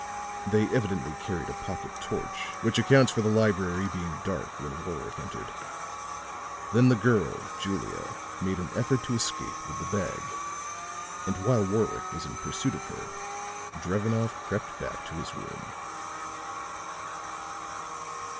They evidently carried a pocket torch, which accounts for the library being dark when Warwick entered. Then the girl, Julia, made an effort to escape with the bag; and while Warwick was in pursuit of her, Drevenoff crept back to his room."